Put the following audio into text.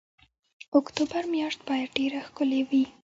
اکتوبر میاشت باید ډېره ښکلې وي.